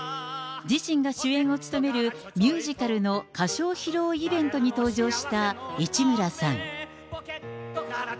自身が主演を務める、ミュージカルの歌唱披露イベントに登場した市村さん。